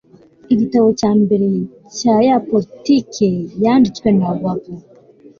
igitabo cya mbere cya ya politiki yanditswe na babu